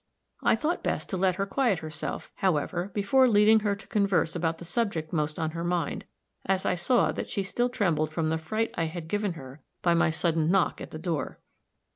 I thought best to let her quiet herself, however, before leading her to converse about the subject most on her mind, as I saw that she still trembled from the fright I had given her by my sudden knock at the door.